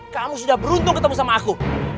kamu sudah beruntung ketemu sama aku